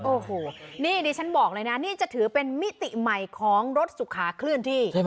โอ้โหนี่ดิฉันบอกเลยนะนี่จะถือเป็นมิติใหม่ของรถสุขาเคลื่อนที่